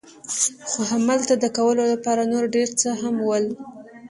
خو همالته د کولو لپاره نور ډېر څه هم ول.